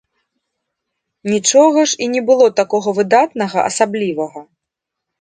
Нічога ж і не было такога выдатнага, асаблівага.